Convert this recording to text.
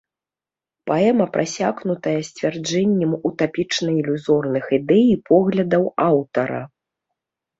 Паэма прасякнутая сцвярджэннем утапічна-ілюзорных ідэй і поглядаў аўтара.